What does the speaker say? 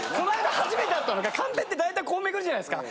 初めてあったのがカンペってだいたいこうめくるじゃないですか。